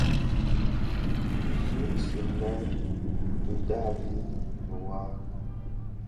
Zi isigmèn bidaabi dhiwa.